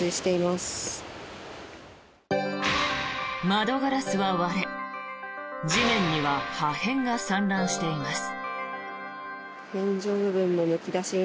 窓ガラスは割れ地面には破片が散乱しています。